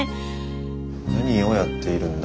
何をやっているんだ？